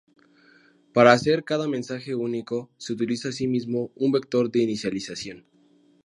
Para hacer cada mensaje único se utiliza asimismo un vector de inicialización.